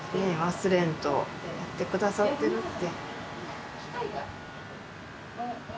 忘れんとやって下さってるって。